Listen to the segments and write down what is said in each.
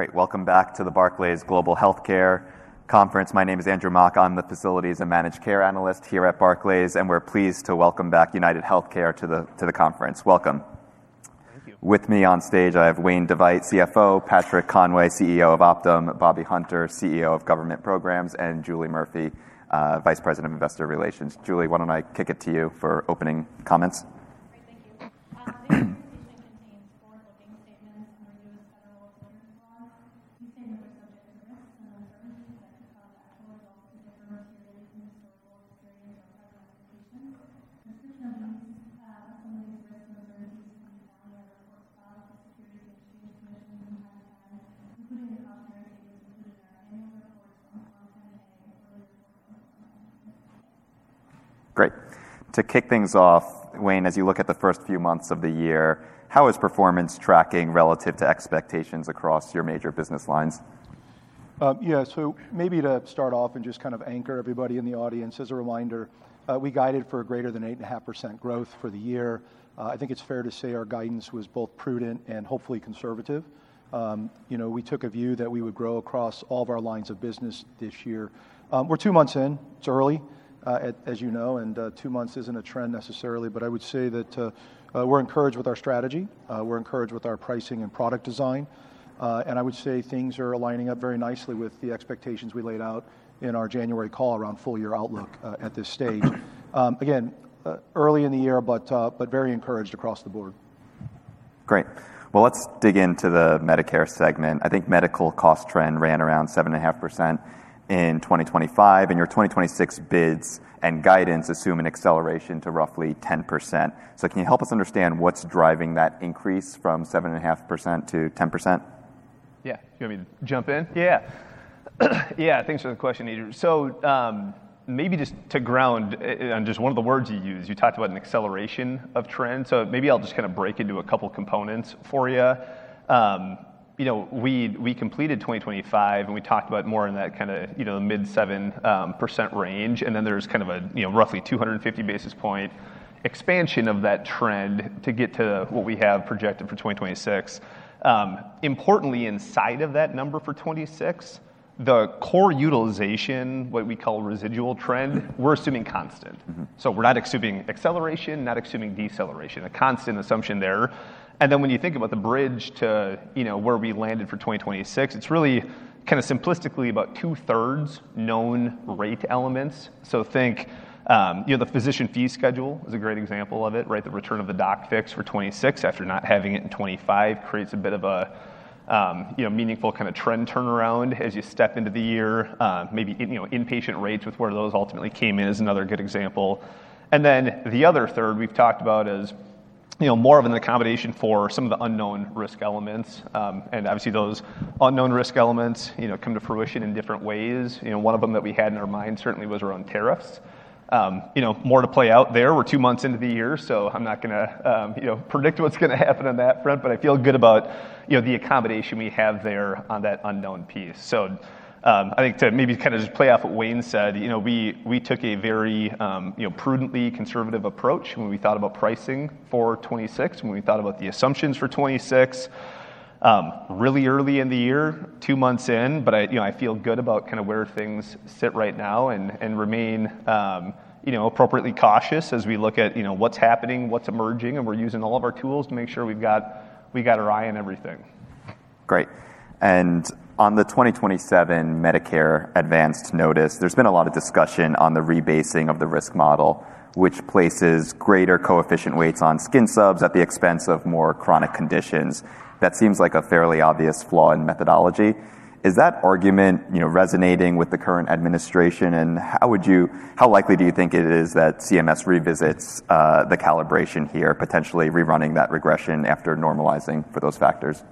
Great. Welcome back to the Barclays Global Healthcare Conference. My name is Andrew Mok. I'm the Facilities and Managed Care Analyst here at Barclays, and we're pleased to welcome back UnitedHealthcare to the conference. Welcome. Thank you. With me on stage, I have Wayne DeVeydt, CFO, Patrick Conway, CEO of Optum, Robert Hunter, CEO of Government Programs, and Julie Murphy, Vice President of Investor Relations. Julie, why don't I kick it to you for opening comments? Great. Thank you. This as you know, and two months isn't a trend necessarily, but I would say that we're encouraged with our strategy, we're encouraged with our pricing and product design. I would say things are lining up very nicely with the expectations we laid out in our January call around full year outlook, at this stage. Again, early in the year, but very encouraged across the board. Great. Well, let's dig into the Medicare segment. I think medical cost trend ran around 7.5% in 2025, and your 2026 bids and guidance assume an acceleration to roughly 10%. Can you help us understand what's driving that increase from 7.5%-10%? Yeah. Do you want me to jump in? Yeah. Yeah. Thanks for the question, Andrew. Maybe just to ground on just one of the words you used, you talked about an acceleration of trend, maybe I'll just break into a couple components for you. You know, we completed 2025, and we talked about more in that kinda mid 7% range, and then there's kind of a roughly 250 basis point expansion of that trend to get to what we have projected for 2026. Importantly, inside of that number for 2026, the core utilization, what we call residual trend, we're assuming constant. We're not assuming acceleration, not assuming deceleration. A constant assumption there. When you think about the bridge to where we landed for 2026, it's really simplistically about two-thirds known rate elements. Think the physician fee schedule is a great example of it, right? The return of the doc fix for 2026 after not having it in 2025 creates a bit of a meaningful trend turnaround as you step into the year. Maybe in, inpatient rates with where those ultimately came in is another good example. The other third we've talked about is more of an accommodation for some of the unknown risk elements. Obviously those unknown risk elements come to fruition in different ways. One of them that we had in our mind certainly was around tariffs. You know, more to play out there. We're two months into the year, so I'm not gonna predict what's gonna happen on that front, but I feel good about the accommodation we have there on that unknown piece. I think to maybe just play off what Wayne said we took a very prudently conservative approach when we thought about pricing for 2026, when we thought about the assumptions for 2026, really early in the year, two months in. I feel good about where things sit right now and remain appropriately cautious as we look at what's happening, what's emerging, and we're using all of our tools to make sure we got our eye on everything. Great. On the 2027 Medicare Advance Notice, there's been a lot of discussion on the rebasing of the risk model, which places greater coefficient weights on skin substitutes at the expense of more chronic conditions. That seems like a fairly obvious flaw in methodology. Is that argument, resonating with the current administration? How likely do you think it is that CMS revisits the calibration here, potentially rerunning that regression after normalizing for those factors?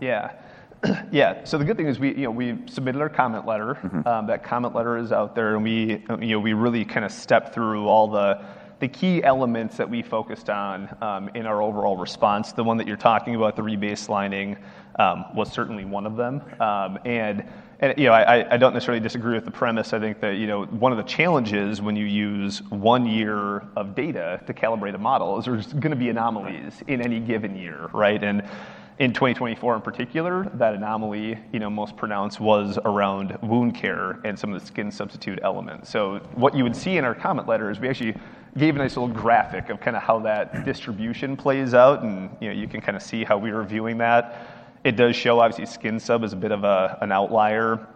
Yeah. The good thing is we've submitted our comment letter. That comment letter is out there, and we really step through all the key elements that we focused on in our overall response. The one that you're talking about, the rebaselining, was certainly one of them. I don't necessarily disagree with the premise. I think that, one of the challenges when you use one year of data to calibrate a model is there's gonna be anomalies in any given year, right? In 2024 in particular, that anomaly, most pronounced was around wound care and some of the skin substitute elements. What you would see in our comment letter is we actually gave a nice little graphic of how that distribution plays out, and you can see how we're viewing that. It does show, obviously, skin sub is a bit of an outlier.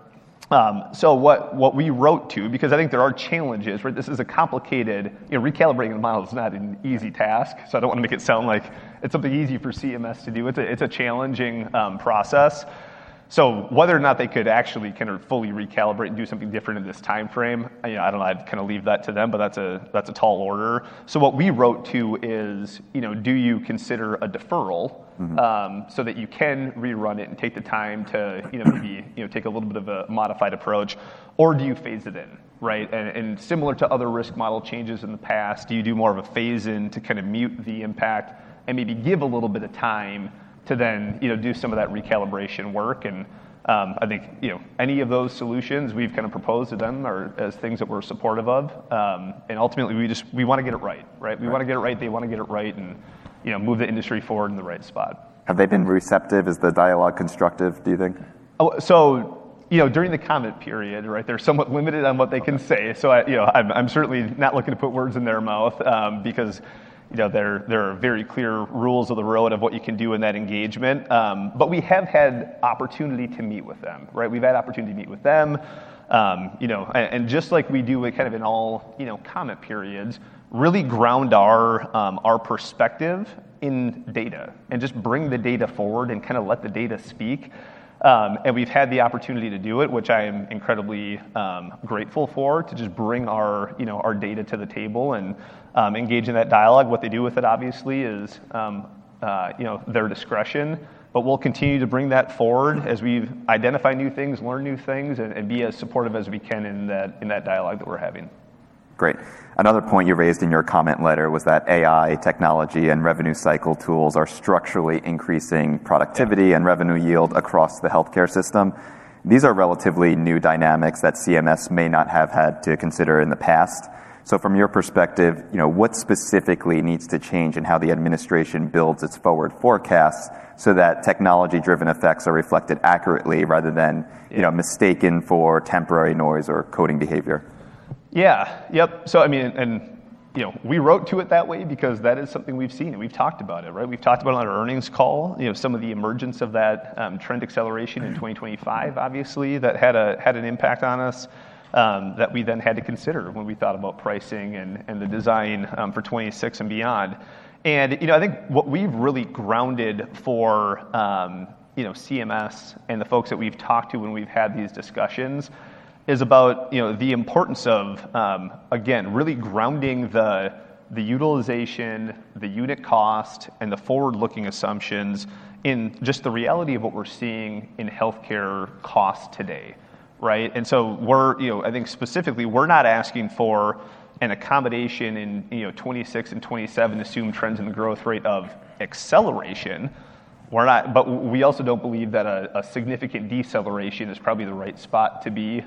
What we wrote to, because I think there are challenges, right? This is a complicated recalibrating the model is not an easy task. I don't want to make it sound like it's something easy for CMS to do. It's a challenging process. Whether or not they could actually fully recalibrate and do something different in this timeframe, I don't know, I'd leave that to them, but that's a tall order. What we wrote to is, do you consider a deferral so that you can rerun it and take the time to, take a little bit of a modified approach, or do you phase it in, right? Similar to other risk model changes in the past, do you do more of a phase in to kind of mute the impact and maybe give a little bit of time to then do some of that recalibration work? I think, any of those solutions we've proposed to them are as things that we're supportive of. Ultimately we wanna get it right? We wanna get it right. They wanna get it right and move the industry forward in the right spot. Have they been receptive? Is the dialogue constructive, do you think? You know, during the comment period, right, they're somewhat limited on what they can say. I'm certainly not looking to put words in their mouth, because there are very clear rules of the road of what you can do in that engagement. We have had opportunity to meet with them, right? We've had opportunity to meet with them and just like we do with kind of in all comment periods, really ground our perspective in data and just bring the data forward and kinda let the data speak. We've had the opportunity to do it, which I am incredibly grateful for, to just bring our data to the table and engage in that dialogue. What they do with it obviously is their discretion, but we'll continue to bring that forward as we identify new things, learn new things, and be as supportive as we can in that dialogue that we're having. Great. Another point you raised in your comment letter was that AI technology and revenue cycle tools are structurally increasing productivity and revenue yield across the healthcare system. These are relatively new dynamics that CMS may not have had to consider in the past. From your perspective, what specifically needs to change in how the administration builds its forward forecasts so that technology-driven effects are reflected accurately rather than mistaken for temporary noise or coding behavior? Yeah. Yep. I mean, we wrote to it that way because that is something we've seen, and we've talked about it, right? We've talked about it on our earnings call, some of the emergence of that trend acceleration in 2025 obviously that had an impact on us that we then had to consider when we thought about pricing and the design for 2026 and beyond. I think what we've really grounded for CMS and the folks that we've talked to when we've had these discussions is about the importance of again, really grounding the utilization, the unit cost, and the forward-looking assumptions in just the reality of what we're seeing in healthcare costs today, right? We're, you know, I think specifically we're not asking for an accommodation in 2026 and 2027 assumed trends in the growth rate of acceleration. We're not. But we also don't believe that a significant deceleration is probably the right spot to be,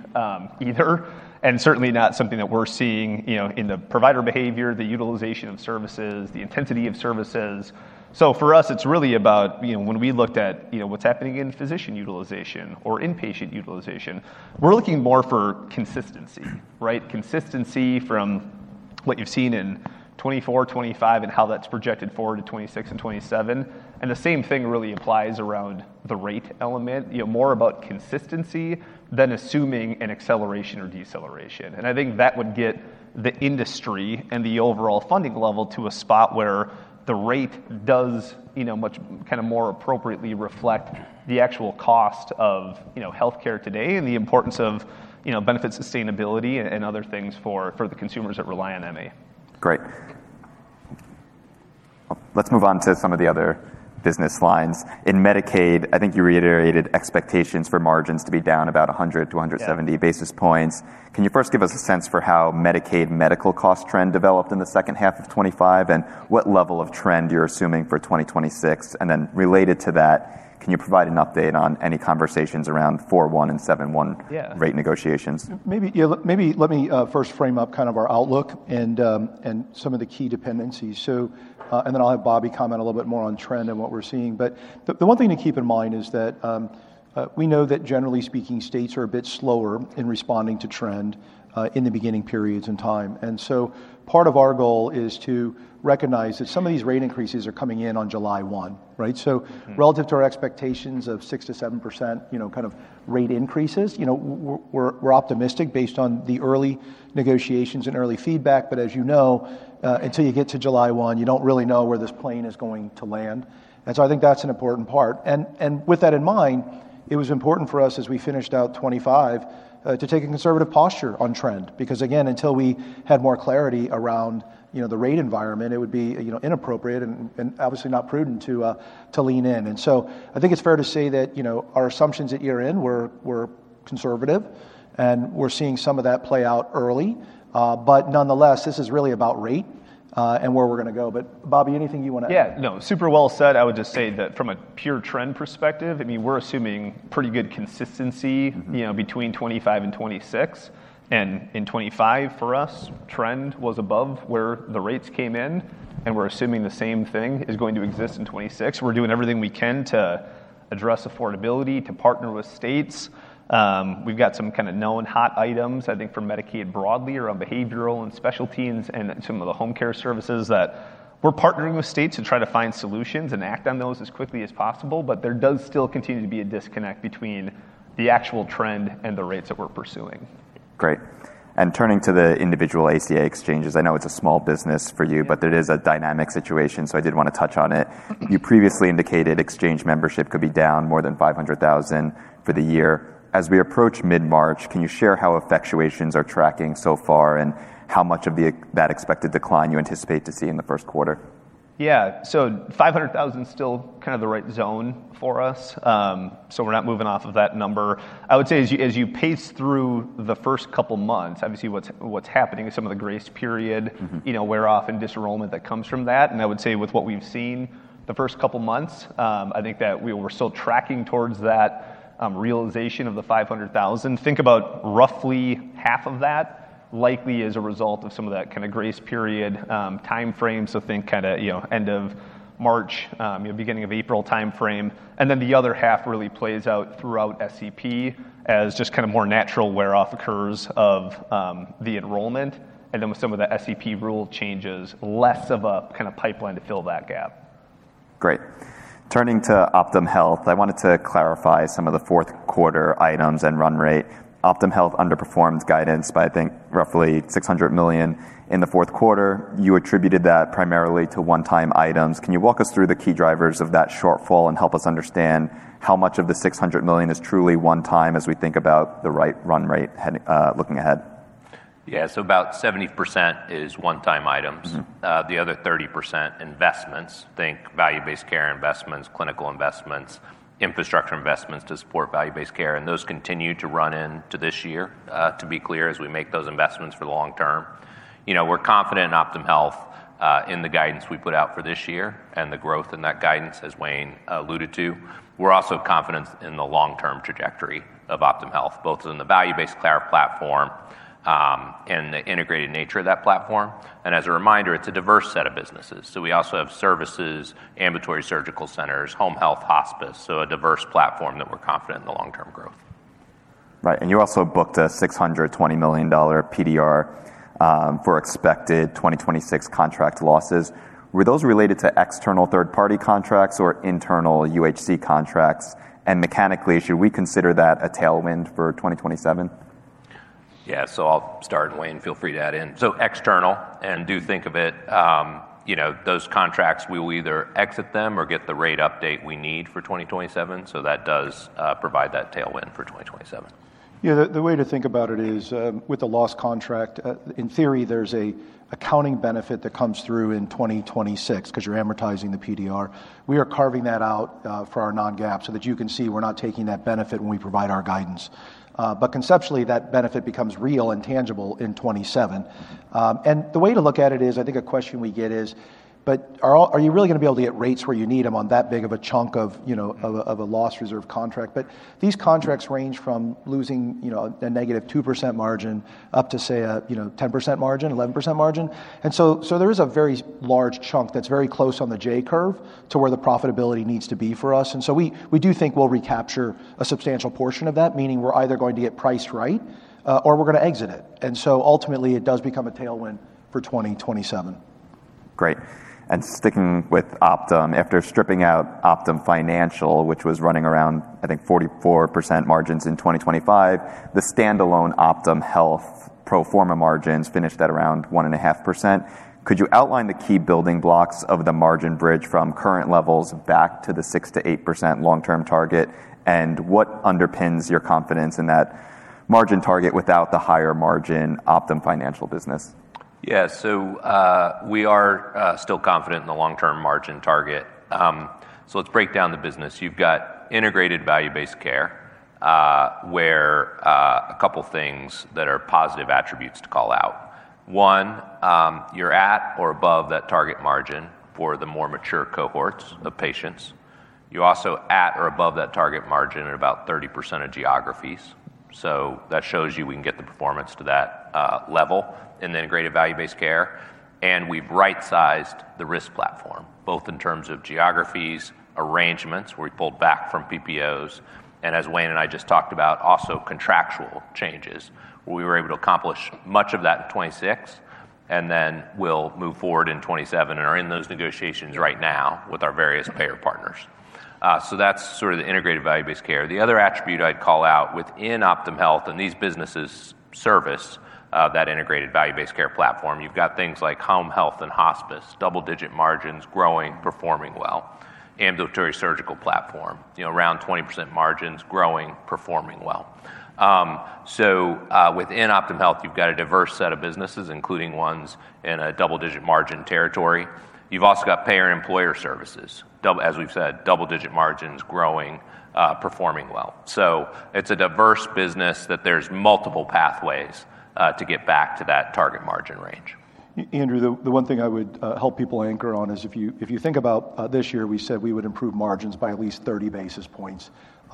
either, and certainly not something that we're seeing in the provider behavior, the utilization of services, the intensity of services. For us, it's really about, when we looked at what's happening in physician utilization or inpatient utilization, we're looking more for consistency, right? Consistency from what you've seen in 2024, 2025, and how that's projected forward to 2026 and 2027. The same thing really applies around the rate element. You know, more about consistency than assuming an acceleration or deceleration. I think that would get the industry and the overall funding level to a spot where the rate does kinda more appropriately reflect the actual cost of healthcare today and the importance of, you know, benefit sustainability and other things for the consumers that rely on MA. Great. Let's move on to some of the other business lines. In Medicaid, I think you reiterated expectations for margins to be down about 100-170 basis points. Can you first give us a sense for how Medicaid medical cost trend developed in the second half of 2025, and what level of trend you're assuming for 2026? Related to that, can you provide an update on any conversations around 41 and 71? Yeah Rate negotiations? Maybe, yeah, let me first frame up kind of our outlook and some of the key dependencies. Then I'll have Robert comment a little bit more on trend and what we're seeing. The one thing to keep in mind is that we know that generally speaking, states are a bit slower in responding to trend in the beginning periods in time. Part of our goal is to recognize that some of these rate increases are coming in on July 1, right? Relative to our expectations of 6%-7% kind of rate increases, we're optimistic based on the early negotiations and early feedback. As you know, until you get to July 1, you don't really know where this plane is going to land. I think that's an important part. With that in mind, it was important for us as we finished out 2025 to take a conservative posture on trend, because again, until we had more clarity around the rate environment, it would be inappropriate and obviously not prudent to lean in. I think it's fair to say that our assumptions at year-end were conservative, and we're seeing some of that play out early. Nonetheless, this is really about rate and where we're gonna go. Bobby, anything you wanna add? Yeah. No, super well said. I would just say that from a pure trend perspective, I mean, we're assuming pretty good consistency. You know, between 2025 and 2026. In 2025 for us, trend was above where the rates came in, and we're assuming the same thing is going to exist in 2026. We're doing everything we can to address affordability, to partner with states. We've got some kinda known hot items, I think for Medicaid broadly around behavioral and specialty pharmacy and some of the home care services that we're partnering with states to try to find solutions and act on those as quickly as possible. There does still continue to be a disconnect between the actual trend and the rates that we're pursuing. Great. Turning to the individual ACA exchanges, I know it's a small business for you, but it is a dynamic situation, so I did wanna touch on it. You previously indicated exchange membership could be down more than 500,000 for the year. As we approach mid-March, can you share how effectuations are tracking so far, and how much of that expected decline you anticipate to see in the first quarter? Yeah. 500,000 is still kind of the right zone for us. We're not moving off of that number. I would say as you pace through the first couple months, obviously what's happening is some of the grace period. You know, wear-off and disenrollment that comes from that. I would say with what we've seen the first couple months, I think that we're still tracking towards that realization of the 500,000. Think about roughly half of that Likely as a result of some of that kinda grace period, timeframe. Think kinda, end of March, beginning of April timeframe. Then the other half really plays out throughout SEP as just kinda more natural wear-off occurs of, the enrollment, and then with some of the SEP rule changes, less of a kinda pipeline to fill that gap. Great. Turning to Optum Health, I wanted to clarify some of the fourth quarter items and run rate. Optum Health underperformed guidance by, I think, roughly $600 million in the fourth quarter. You attributed that primarily to one-time items. Can you walk us through the key drivers of that shortfall and help us understand how much of the $600 million is truly one-time as we think about the right run rate looking ahead? Yeah. About 70% is one-time item. The other 30%, investments. Think value-based care investments, clinical investments, infrastructure investments to support value-based care, and those continue to run into this year, to be clear, as we make those investments for the long term. We're confident in Optum Health, in the guidance we put out for this year and the growth in that guidance, as Wayne alluded to. We're also confident in the long-term trajectory of Optum Health, both in the value-based care platform, and the integrated nature of that platform. As a reminder, it's a diverse set of businesses. We also have services, ambulatory surgical centers, home health hospice, so a diverse platform that we're confident in the long-term growth. Right. You also booked a $620 million PDR for expected 2026 contract losses. Were those related to external third-party contracts or internal UHC contracts? Mechanically, should we consider that a tailwind for 2027? Yeah. I'll start, Wayne. Feel free to add in. External, and do think of it, you know, those contracts, we will either exit them or get the rate update we need for 2027, so that does provide that tailwind for 2027. Yeah. The way to think about it is, with the loss contract, in theory, there's an accounting benefit that comes through in 2026 'cause you're amortizing the PDR. We are carving that out, for our non-GAAP so that you can see we're not taking that benefit when we provide our guidance. Conceptually, that benefit becomes real and tangible in 2027. The way to look at it is, I think a question we get is, "are you really gonna be able to get rates where you need them on that big of a chunk of a loss reserve contract?" These contracts range from losing a -2% margin up to, say, a 10% margin, 11% margin. There is a very large chunk that's very close on the J curve to where the profitability needs to be for us. We do think we'll recapture a substantial portion of that, meaning we're either going to get priced right, or we're gonna exit it. Ultimately, it does become a tailwind for 2027. Great. Sticking with Optum, after stripping out Optum Financial, which was running around, I think, 44% margins in 2025, the standalone Optum Health pro forma margins finished at around 1.5%. Could you outline the key building blocks of the margin bridge from current levels back to the 6%-8% long-term target? What underpins your confidence in that margin target without the higher margin Optum Financial business? Yeah. We are still confident in the long-term margin target. Let's break down the business. You've got integrated value-based care, where a couple things that are positive attributes to call out. One, you're at or above that target margin for the more mature cohorts of patients. You're also at or above that target margin at about 30% of geographies. That shows you we can get the performance to that level in the integrated value-based care. We've right-sized the risk platform, both in terms of geographies, arrangements, where we pulled back from PPOs, and as Wayne and I just talked about, also contractual changes. We were able to accomplish much of that in 2026, and then we'll move forward in 2027 and are in those negotiations right now with our various payer partners. That's sort of the integrated value-based care. The other attribute I'd call out within Optum Health, and these businesses service that integrated value-based care platform. You've got things like home health and hospice, double-digit margins, growing, performing well. Ambulatory surgical platform around 20% margins, growing, performing well. Within Optum Health, you've got a diverse set of businesses, including ones in a double-digit margin territory. You've also got payer employer services. As we've said, double-digit margins, growing, performing well. It's a diverse business that there's multiple pathways to get back to that target margin range. Andrew, the one thing I would help people anchor on is if you think about this year, we said we would improve margins by at least 30 basis points.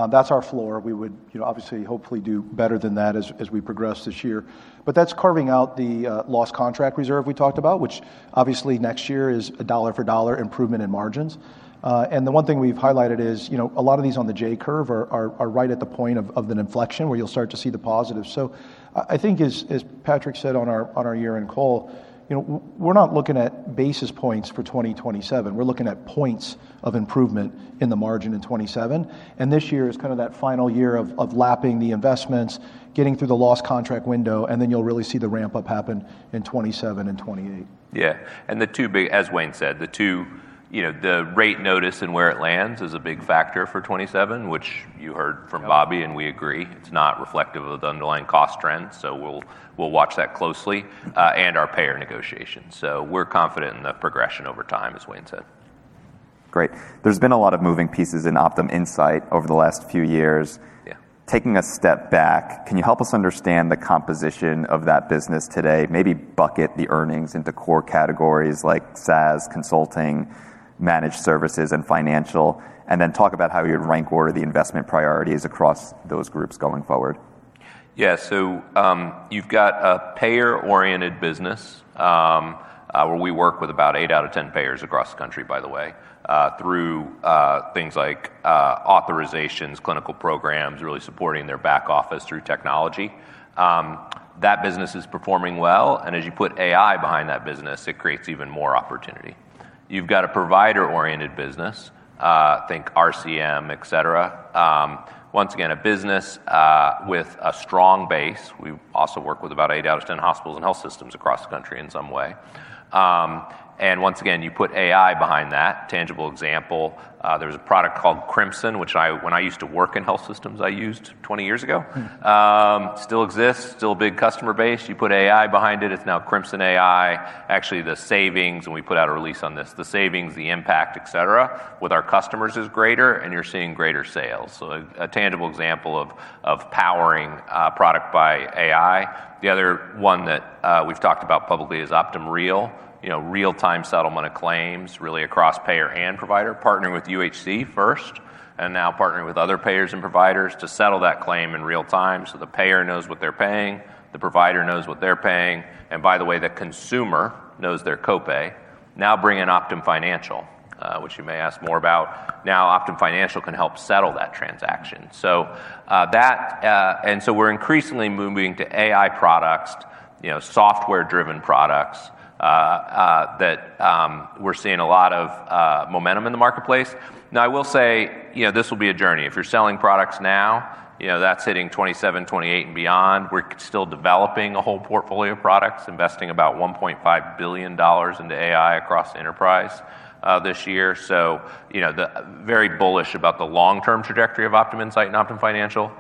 That's our floor. We would, obviously, hopefully do better than that as we progress this year. That's carving out the loss contract reserve we talked about, which obviously next year is a dollar for dollar improvement in margins. The one thing we've highlighted is, a lot of these on the J curve are right at the point of an inflection where you'll start to see the positives. I think as Patrick said on our year-end call, we're not looking at basis points for 2027. We're looking at points of improvement in the margin in 2027, and this year is kind of that final year of lapping the investments, getting through the loss contract window, and then you'll really see the ramp-up happen in 2027 and 2028. Yeah. As Wayne said, the two, you know, the rate notice and where it lands is a big factor for 2027, which you heard from Bobby, and we agree. It's not reflective of the underlying cost trends, so we'll watch that closely, and our payer negotiations. We're confident in the progression over time, as Wayne said. Great. There's been a lot of moving pieces in Optum Insight over the last few years. Yeah. Taking a step back, can you help us understand the composition of that business today? Maybe bucket the earnings into core categories like SaaS, consulting, managed services, and financial, and then talk about how you'd rank order the investment priorities across those groups going forward. Yeah. You've got a payer-oriented business, where we work with about eight out of ten payers across the country, by the way, through things like authorizations, clinical programs, really supporting their back office through technology. That business is performing well, and as you put AI behind that business, it creates even more opportunity. You've got a provider-oriented business, think RCM, et cetera. Once again, a business with a strong base. We also work with about eight out of ten hospitals and health systems across the country in some way. Once again, you put AI behind that. Tangible example, there's a product called Crimson, which, when I used to work in health systems, I used 20 years ago. Still exists, still a big customer base. You put AI behind it's now Crimson AI. Actually, the savings, we put out a release on this, the impact, et cetera, with our customers is greater, and you're seeing greater sales. A tangible example of powering product by AI. The other one that we've talked about publicly is Optum Real. You know, real-time settlement of claims, really across payer and provider, partnering with UHC first, and now partnering with other payers and providers to settle that claim in real time so the payer knows what they're paying, the provider knows what they're paying, and by the way, the consumer knows their copay. Now bring in Optum Financial, which you may ask more about. Now Optum Financial can help settle that transaction. We're increasingly moving to AI products, software-driven products, that we're seeing a lot of momentum in the marketplace. Now, I will say, this will be a journey. If you're selling products now that's hitting 2027, 2028 and beyond. We're still developing a whole portfolio of products, investing about $1.5 billion into AI across the enterprise, this year. You know, very bullish about the long-term trajectory of Optum Insight and Optum Financial.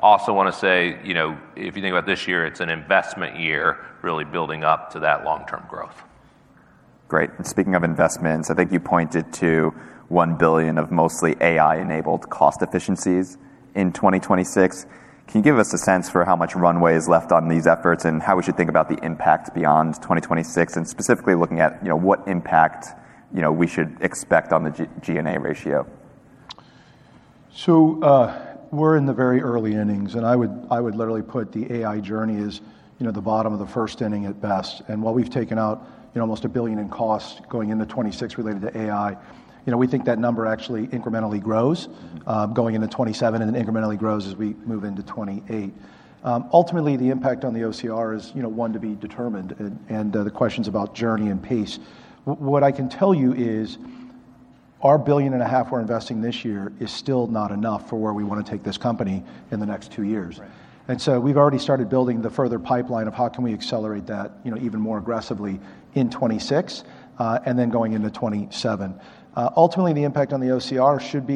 Also wanna say, if you think about this year, it's an investment year really building up to that long-term growth. Great. Speaking of investments, I think you pointed to $1 billion of mostly AI-enabled cost efficiencies in 2026. Can you give us a sense for how much runway is left on these efforts, and how we should think about the impact beyond 2026, and specifically looking at, you know, what impact, you know, we should expect on the G&A ratio? We're in the very early innings, and I would literally put the AI journey as the bottom of the first inning at best. While we've taken out almost $1 billion in costs going into 2026 related to AI, we think that number actually incrementally grows going into 2027, and then incrementally grows as we move into 2028. Ultimately, the impact on the OCR is one to be determined and the questions about journey and pace. What I can tell you is our $1.5 billion we're investing this year is still not enough for where we wanna take this company in the next two years. Right. We've already started building the future pipeline of how can we accelerate that even more aggressively in 2026, and then going into 2027. Ultimately, the impact on the OCR should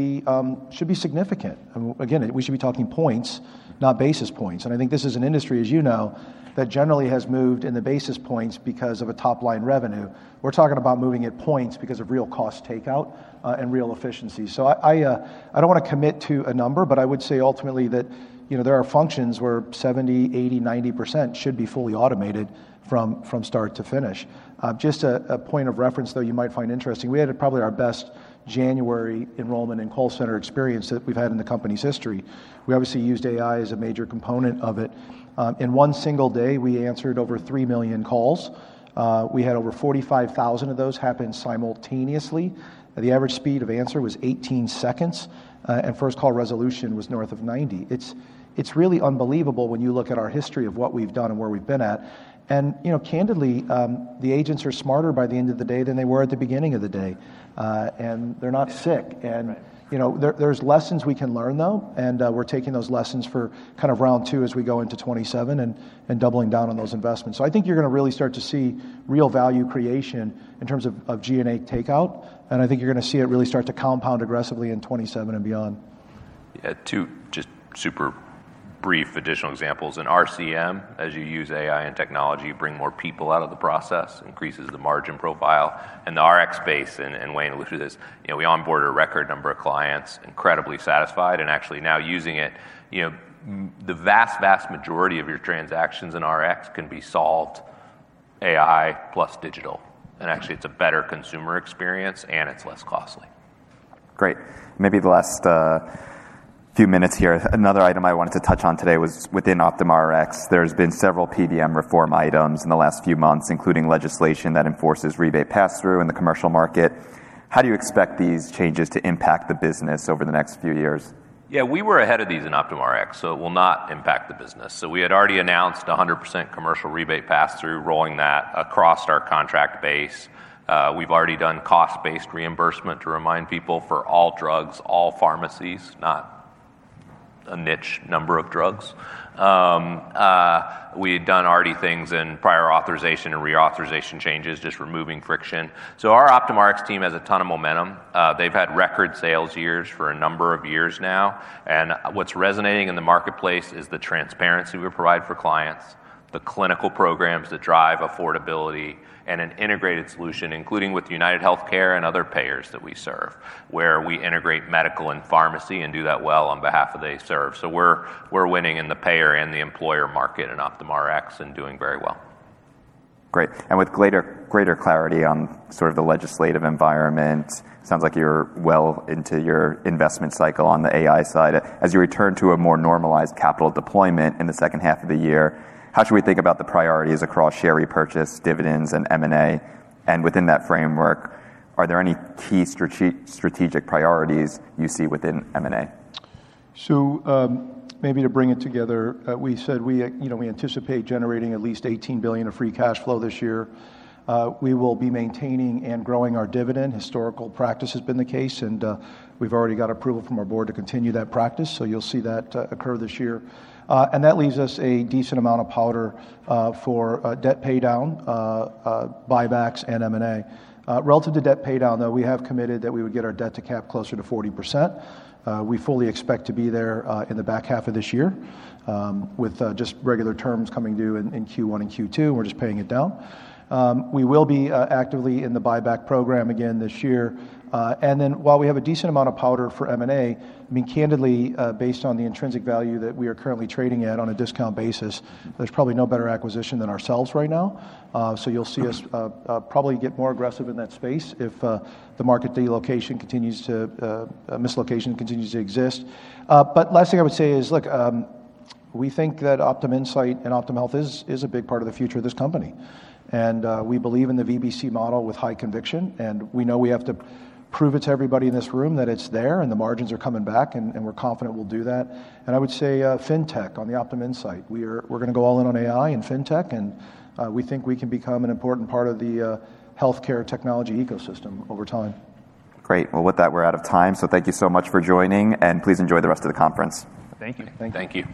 be significant. Again, we should be talking points, not basis points. I think this is an industry, as you know, that generally has moved in the basis points because of a top-line revenue. We're talking about moving it points because of real cost takeout, and real efficiency. I don't wanna commit to a number, but I would say ultimately that there are functions where 70%, 80%, 90% should be fully automated from start to finish. Just a point of reference though you might find interesting. We had probably our best January enrollment and call center experience that we've had in the company's history. We obviously used AI as a major component of it. In one single day, we answered over 3 million calls. We had over 45,000 of those happen simultaneously. The average speed of answer was 18 seconds. First call resolution was north of 90%. It's really unbelievable when you look at our history of what we've done and where we've been at. You know, candidly, the agents are smarter by the end of the day than they were at the beginning of the day, and they're not sick. Right. There's lessons we can learn, though, and we're taking those lessons for kind of round two as we go into 2027 and doubling down on those investments. I think you're gonna really start to see real value creation in terms of G&A takeout, and I think you're gonna see it really start to compound aggressively in 2027 and beyond. Yeah. Two just super brief additional examples. In RCM, as you use AI and technology, you bring more people out of the process, increases the margin profile. In the Rx space, and Wayne will speak to this, we onboard a record number of clients, incredibly satisfied, and actually now using it. The vast majority of your transactions in RX can be solved AI plus digital, and actually it's a better consumer experience, and it's less costly. Great. Maybe the last few minutes here. Another item I wanted to touch on today was within Optum Rx. There's been several PBM reform items in the last few months, including legislation that enforces rebate pass-through in the commercial market. How do you expect these changes to impact the business over the next few years? Yeah, we were ahead of these in Optum Rx, so it will not impact the business. We had already announced 100% commercial rebate pass-through, rolling that across our contract base. We've already done cost-based reimbursement to remind people, for all drugs, all pharmacies, not a niche number of drugs. We had done already things in prior authorization and reauthorization changes, just removing friction. Our Optum Rx team has a ton of momentum. They've had record sales years for a number of years now, and what's resonating in the marketplace is the transparency we provide for clients, the clinical programs that drive affordability, and an integrated solution, including with UnitedHealthcare and other payers that we serve, where we integrate medical and pharmacy and do that well on behalf of they serve. We're winning in the payer and the employer market in Optum Rx and doing very well. Great. With greater clarity on the legislative environment, sounds like you're well into your investment cycle on the AI side. As you return to a more normalized capital deployment in the second half of the year, how should we think about the priorities across share repurchase, dividends, and M&A? Within that framework, are there any key strategic priorities you see within M&A? Maybe to bring it together, we said, we anticipate generating at least $18 billion of free cash flow this year. We will be maintaining and growing our dividend. Historical practice has been the case, and we've already got approval from our board to continue that practice, so you'll see that occur this year. That leaves us a decent amount of powder for debt paydown, buybacks, and M&A. Relative to debt paydown, though, we have committed that we would get our debt-to-capital closer to 40%. We fully expect to be there in the back half of this year, with just regular terms coming due in Q1 and Q2, and we're just paying it down. We will be actively in the buyback program again this year. While we have a decent amount of powder for M&A, I mean, candidly, based on the intrinsic value that we are currently trading at on a discount basis, there's probably no better acquisition than ourselves right now. You'll see us probably get more aggressive in that space if the market dislocation continues to exist. Last thing I would say is, look, we think that Optum Insight and Optum Health is a big part of the future of this company. We believe in the VBC model with high conviction, and we know we have to prove it to everybody in this room that it's there, and the margins are coming back, and we're confident we'll do that. I would say, fintech on the Optum Insight. We're gonna go all in on AI and fintech, and we think we can become an important part of the healthcare technology ecosystem over time. Great. Well, with that, we're out of time. Thank you so much for joining, and please enjoy the rest of the conference. Thank you. Thank you.